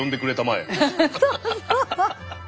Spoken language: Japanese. そうそう。